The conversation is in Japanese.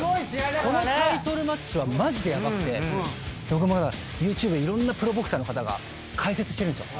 このタイトルマッチはマジでヤバくてＹｏｕＴｕｂｅでいろんなプロボクサーの方が解説してるんですよ。